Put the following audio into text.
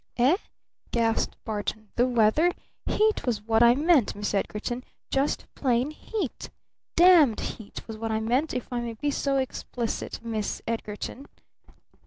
"Eh?" gasped Barton. "The weather? Heat was what I meant, Miss Edgarton! Just plain heat! DAMNED HEAT was what I meant if I may be so explicit, Miss Edgarton."